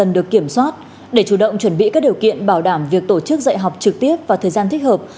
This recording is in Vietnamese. để chủ động chuẩn bị các điều kiện bảo đảm việc tổ chức dạy học trực tiếp và thời gian thích hợp